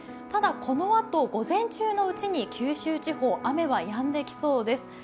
ただ、このあと午前中のうちに九州地方、雨はやんできそうです。